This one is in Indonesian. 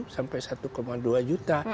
sampai satu dua juta